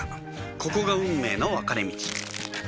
ここが運命の分かれ道